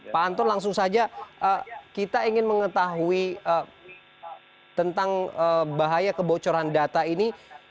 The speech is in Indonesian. pak anton langsung saja kita ingin mengetahui tentang bahaya kebocoran data ini